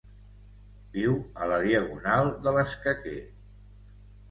Viu a la diagonal de l'escaquer.